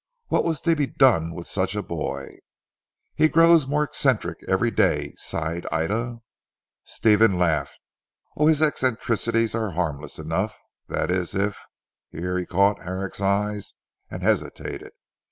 What was to be done with such a boy. "He grows more eccentric every day," sighed Ida. Stephen laughed, "Oh! his eccentricities are harmless enough. That is if " here he caught Herrick's eye and hesitated.